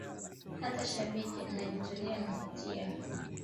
hata shabiki anajitolea nampatia